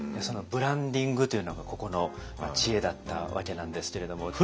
そのブランディングというのがここの知恵だったわけなんですけれども。